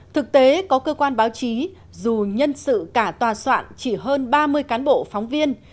thực tế có cơ quan báo chí dù nhân sự cả tòa soạn chỉ hơn ba mươi cán bộ phóng viên